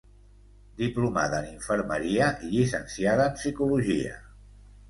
Diplomada en Infermeria i llicenciada en Psicologia.